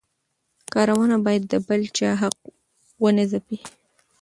کارونه باید د بل چا حق ونه ځپي.